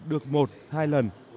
được một hai lần